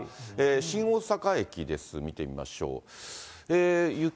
新大阪駅です、見てみましょう。